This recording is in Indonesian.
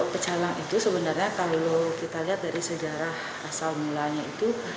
pecalang itu sebenarnya kalau kita lihat dari sejarah asal mulanya itu